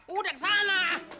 udah ke sana